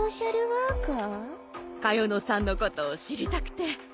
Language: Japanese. カヨノさんのこと知りたくて。